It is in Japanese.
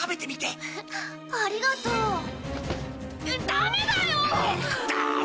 ダメだよー！